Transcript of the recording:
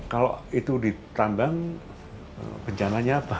kalau itu ditambang bencananya apa